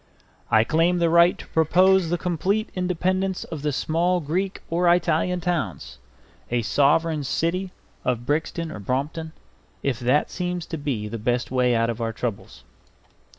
I claim the right to propose the complete independence of the small Greek or Italian towns, a sovereign city of Brixton or Brompton, if that seems the best way out of our troubles.